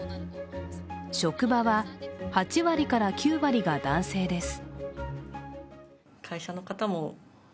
職場は８割から９割が男性です。